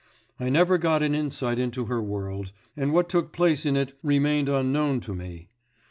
I never got an insight into her world, and what took place in it remained unknown to me.